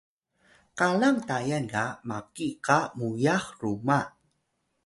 qalang Tayal ga maki qa muyax ruma